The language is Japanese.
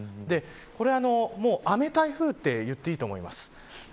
これ雨台風と言っていいと思います。